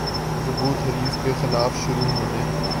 ضبوط حریف کے خلاف شروع ہونے